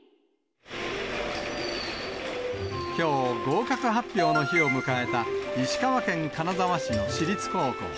きょう、合格発表の日を迎えた石川県金沢市の私立高校。